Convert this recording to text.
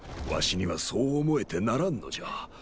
わしにはそう思えてならんのじゃ。